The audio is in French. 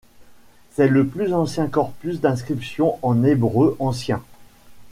C'est le plus ancien corpus d'inscription en hébreu ancien.